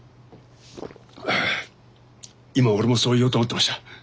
ああ今俺もそう言おうと思ってました。